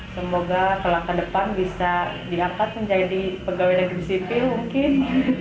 semoga telah ke depan bisa diangkat menjadi pegawai negeri sipil mungkin